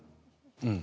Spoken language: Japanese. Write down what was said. うん。